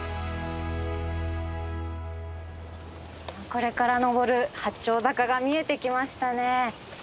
これから登る八丁坂が見えてきましたね。